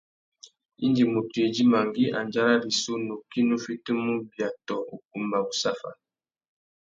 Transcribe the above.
Indi mutu idjima ngüi andjara rissú, nukí nù fitimú ubia tô ukumba wussafia.